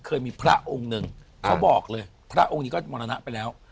เคยมีพระองค์หนึ่งเขาบอกเลยพระองค์นี้ก็มรณะไปแล้ว